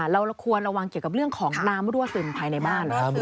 เราควรระวังเกี่ยวกับเรื่องของน้ำรั่วซึมภายในบ้าน